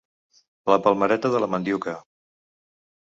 La palmereta de la mandiuca.